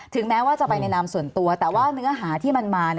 แม้ว่าจะไปในนามส่วนตัวแต่ว่าเนื้อหาที่มันมา